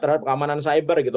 terhadap keamanan cyber gitu